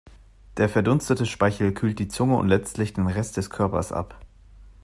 Der verdunstende Speichel kühlt die Zunge und letztlich den Rest des Körpers ab.